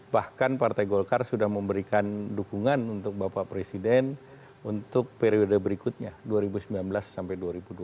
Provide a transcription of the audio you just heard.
bahkan partai golkar sudah memberikan dukungan untuk bapak presiden untuk periode berikutnya dua ribu sembilan belas sampai dua ribu dua puluh empat